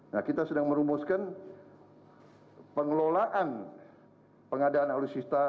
nah kita sedang merumuskan pengelolaan pengadaan alutsista